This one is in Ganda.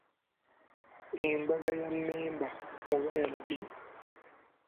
Embaga ya mmemba oba ya ddi?